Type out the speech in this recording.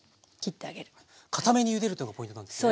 かためにゆでるというのがポイントなんですね。